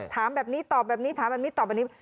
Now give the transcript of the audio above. ถามแบบนี้ตอบแบบนี้ถามแบบนี้ตอบแบบนี้